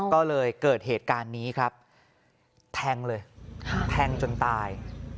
ก็เลยเกิดเหตุการณ์นี้ครับแทงเลยแทงจนตาย